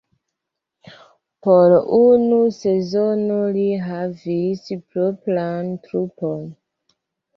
Por unu sezono li havis propran trupon.